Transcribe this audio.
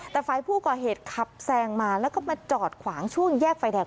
แต่ฝ่ายผู้ก่อเหตุขับแซงมาแล้วก็มาจอดขวางช่วงแยกไฟแดง